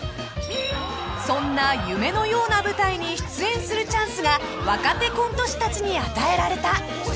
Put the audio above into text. ［そんな夢のような舞台に出演するチャンスが若手コント師たちに与えられた］